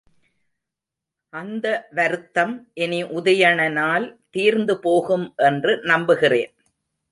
அந்த வருத்தம் இனி உதயணனால் தீர்ந்துபோகும் என்று நம்புகிறேன்.